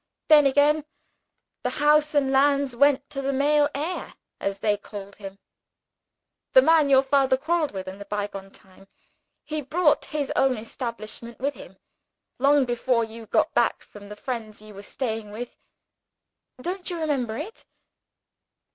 Then, again, the house and lands went to the male heir, as they called him the man your father quarreled with in the bygone time. He brought his own establishment with him. Long before you got back from the friends you were staying with don't you remember it?